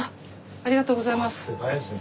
ありがとうございます。